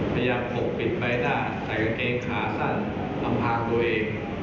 ปกปิดใบหน้าใส่กางเกงขาสั้นลำพังตัวเอง